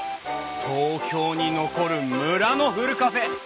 東京に残る村のふるカフェ。